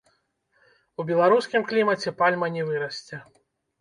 У беларускім клімаце пальма не вырасце.